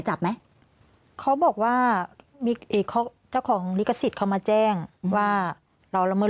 จับไหมเขาบอกว่ามีเอกเขาเจ้าของลิขสิทธิ์เขามาแจ้งว่าเราละเมิด